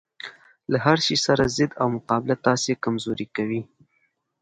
له هرشي سره ضد او مقابله تاسې کمزوري کوي